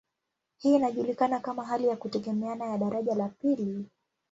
Hii inajulikana kama hali ya kutegemeana ya daraja la pili.